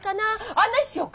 案内しようか？